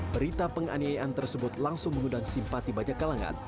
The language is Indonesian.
berita penganiayaan tersebut langsung mengundang simpati banyak kalangan